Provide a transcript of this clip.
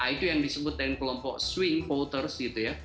itu yang disebutin kelompok swing voters gitu ya